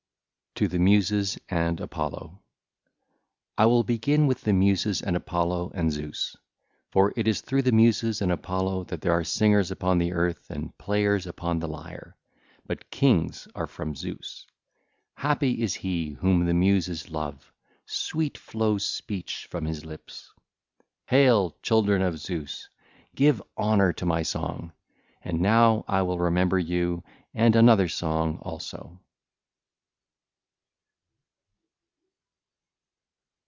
XXV. TO THE MUSES AND APOLLO (ll. 1 5) I will begin with the Muses and Apollo and Zeus. For it is through the Muses and Apollo that there are singers upon the earth and players upon the lyre; but kings are from Zeus. Happy is he whom the Muses love: sweet flows speech from his lips. (ll. 6 7) Hail, children of Zeus! Give honour to my song! And now I will remember you and another song also.